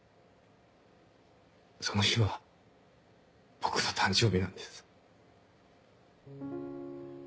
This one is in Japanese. その日は僕の誕生日なんです。